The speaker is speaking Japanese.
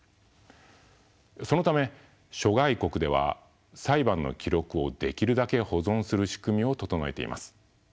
そのため諸外国では裁判の記録をできるだけ保存する仕組みを整えています。